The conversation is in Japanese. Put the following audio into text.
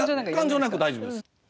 感情なくて大丈夫です。